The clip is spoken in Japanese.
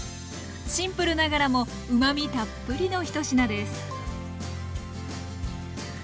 シンプルながらもうまみたっぷりの１品です